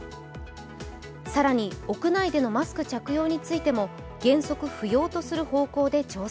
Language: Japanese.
更に、屋内でのマスク着用についても原則不要とする方向で調整。